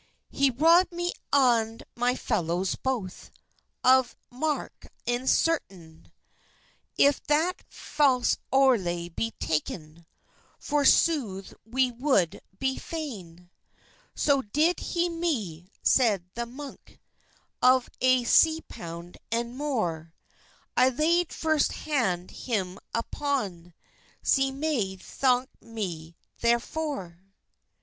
"He robbyt me and my felowes bothe Of xx marke in serten; If that false owtlay be takyn, For sothe we wolde be fayne." "So did he me," seid the munke, "Of a C pound and more; I layde furst hande hym apon, Ze may thonke me therefore."